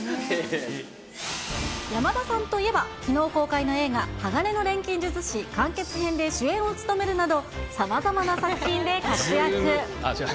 山田さんといえば、きのう公開の映画、鋼の錬金術師完結編で主演を務めるなど、さまざまな作品で活躍。